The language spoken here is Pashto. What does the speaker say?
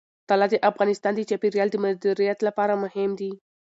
طلا د افغانستان د چاپیریال د مدیریت لپاره مهم دي.